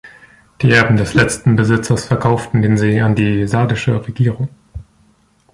Die Erben des letzten Besitzers verkauften den See an die sardische Regierung.